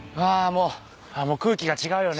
もう空気が違うよね。